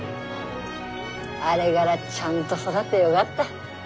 あれがらちゃんと育ってよがった。